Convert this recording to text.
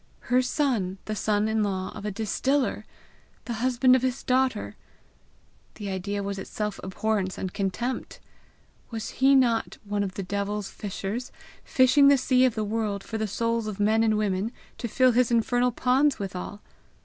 Her son the son in law of a distiller! the husband of his daughter! The idea was itself abhorrence and contempt! Was he not one of the devil's fishers, fishing the sea of the world for the souls of men and women to fill his infernal ponds withal!